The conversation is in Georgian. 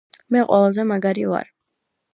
მე ყველაზე მაგარი ვარ